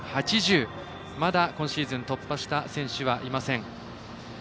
まだ今シーズン突破した選手はいません。